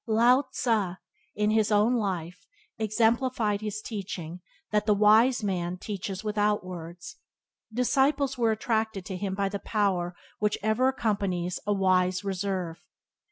Lao Tze, in his own life, exemplified his teaching that the wise man "teaches without words." Disciples were attracted to him by the power which ever accompanies a wise reserve.